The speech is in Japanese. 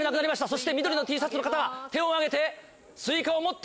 そして緑のＴシャツの方が手を挙げてスイカを持っている。